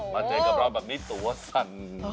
มาเจอกับครอบบัปมีตัวสรร